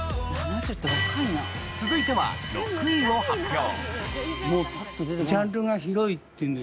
続いては６位を発表。